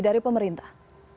jadi dari pemerintah